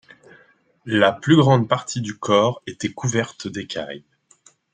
La plus grande partie du corps était couverte d'écailles.